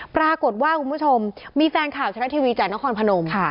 ปรากฏว่าคุณผู้ชมมีแฟนข่าวชนักทีวีจ่ายน้องคอนพนม